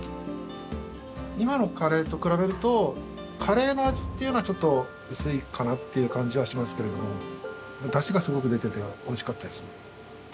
今のカレーと比べるとカレーの味っていうのはちょっと薄いかなっていう感じはしますけれどもダシがすごく出てておいしかったです。